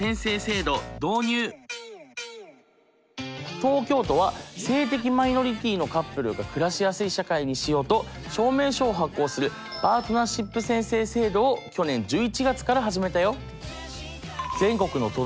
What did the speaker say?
東京都は性的マイノリティーのカップルが暮らしやすい社会にしようと証明書を発行するパートナーシップ宣誓制度を去年１１月から始めたよ。